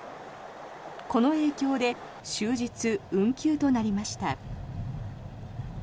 この影響で終日運休となりました。